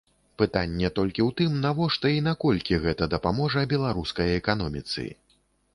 Пытанне толькі ў тым, навошта і наколькі гэта дапаможа беларускай эканоміцы.